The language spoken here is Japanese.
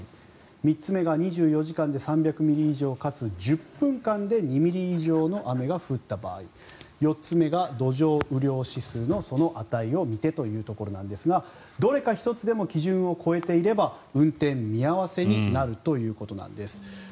３つ目が２４時間で３００ミリ以上かつ１０分間で２ミリ以上の雨が降った場合４つ目が土壌雨量指数の値を見てというところなんですがどれか１つでも基準を超えていれば運転見合わせになるということなんです。